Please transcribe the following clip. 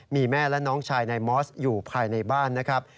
มีแม่และน้องชายนายมอสอยู่ภายในบ้านนะครับ